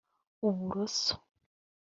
uburoso